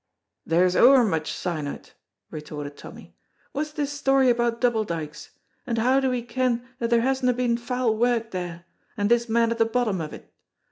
"There's ower much sign o't," retorted Tommy. "What's this story about Double Dykes? And how do we ken that there hasna been foul work there, and this man at the bottom o't?